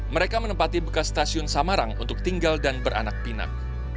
mereka menempati bekas stasiun samarang untuk tinggal dan beranak pinak